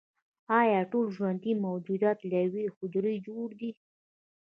ایا ټول ژوندي موجودات له یوې حجرې جوړ دي